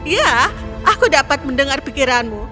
ya aku dapat mendengar pikiranmu